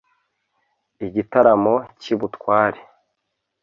igitaramo cy'ibutware